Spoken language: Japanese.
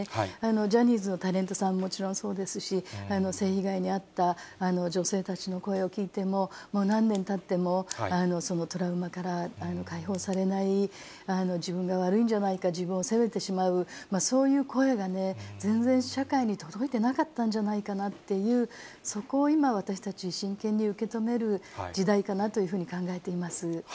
ジャニーズのタレントさんはもちろんそうですし、性被害に遭った女性たちの声を聞いても、もう何年たっても、そのトラウマから解放されない、自分が悪いんじゃないか、自分を責めてしまう、そういう声がね、全然社会に届いてなかったんじゃないかなっていう、そこを今、私たち、真剣に受け止める時代かなというふうに考えています。